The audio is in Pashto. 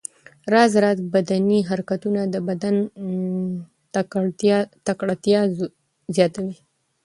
راز راز بدني حرکتونه د بدن تکړتیا زیاتوي.